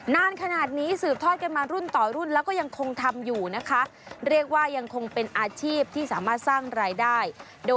นานขนาดนี้สืบทอดกันมารุ่นต่อรุ่นแล้วก็ยังคงทำอยู่นะคะเรียกว่ายังคงเป็นอาชีพที่สามารถสร้างรายได้